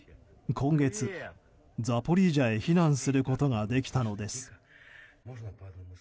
今月、ザポリージャへ避難することができたのです。